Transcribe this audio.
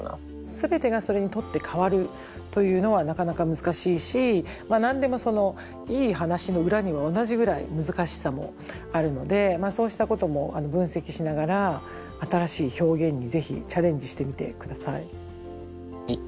全てがそれに取って代わるというのはなかなか難しいしまあ何でもいい話の裏には同じぐらい難しさもあるのでそうしたことも分析しながら新しい表現にぜひチャレンジしてみて下さい。